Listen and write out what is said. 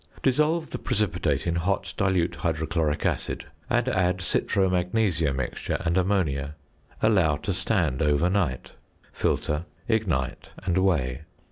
Dissolve the precipitate in hot dilute hydrochloric acid, and add citro magnesia mixture and ammonia; allow to stand overnight; filter, ignite, and weigh.